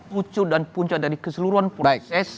pucu dan punca dari keseluruhan proses